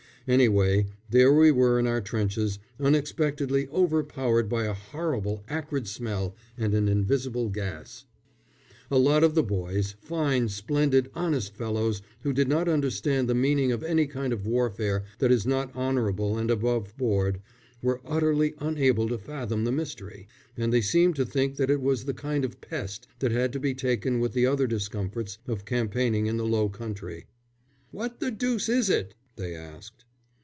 Anyway, there we were in our trenches, unexpectedly overpowered by a horrible acrid smell and an invisible gas. A lot of the boys fine, splendid, honest fellows, who did not understand the meaning of any kind of warfare that is not honourable and aboveboard, were utterly unable to fathom the mystery, and they seemed to think that it was the kind of pest that had to be taken with the other discomforts of campaigning in the Low Country. "What the deuce is it?" they asked.